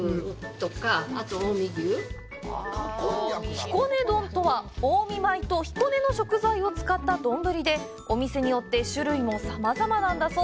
「ひこね丼」とは、近江米と彦根の食材を使った丼で、お店によって種類もさまざまなんだそう。